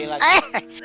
dua kali lagi